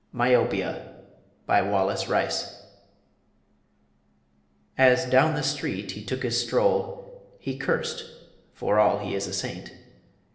MYOPIA BY WALLACE RICE As down the street he took his stroll, He cursed, for all he is a saint.